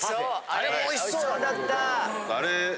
あれもおいしそうだったけどね。